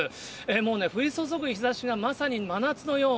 もうね、降り注ぐ日ざしがまさに真夏のよう。